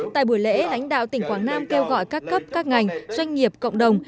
tại buổi lễ lãnh đạo tỉnh quảng nam kêu gọi các cấp các ngành doanh nghiệp cộng đồng